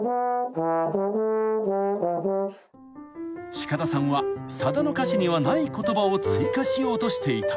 ［鹿田さんはさだの歌詞にはない言葉を追加しようとしていた］